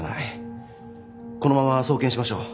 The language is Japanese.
このまま送検しましょう。